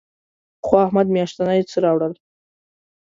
پخوا احمد میاشتنی څه راوړل.